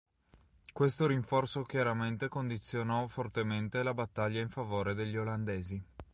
Questo rinforzo chiaramente condizionò fortemente la battaglia in favore degli olandesi.